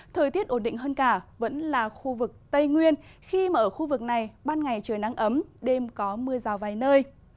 thời tiết ổn định hơn cả vẫn là khu vực tây nguyên khi mà ở khu vực này ban ngày trời nắng ấm đêm có mưa rào vài nơi